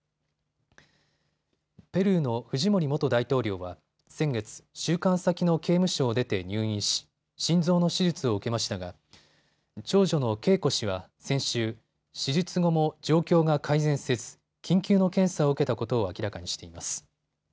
ペルーのフジモリ元大統領は先月、収監先の刑務所を出て入院し心臓の手術を受けましたが長女のケイコ氏は先週、手術後も状況が改善せず緊急の検査を受けたことを明らかにしています。